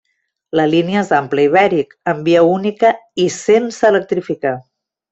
La línia és d'ample ibèric, en via única i sense electrificar.